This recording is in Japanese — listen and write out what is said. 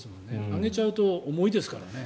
揚げちゃうと重いですからね。